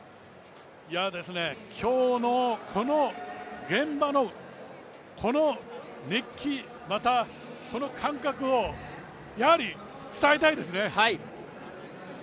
今日の現場のこの熱気、またこの感覚を伝えたいですね。